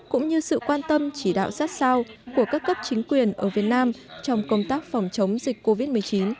cũng như sự quan tâm chỉ đạo sát sao của các cấp chính quyền ở việt nam trong công tác phòng chống dịch covid một mươi chín